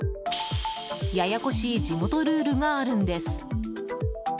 ややこしい地元ルールがあるんです。